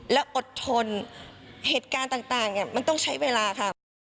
และอดทนเหตุการณ์ต่างมันต้องใช้เวลาค่ะ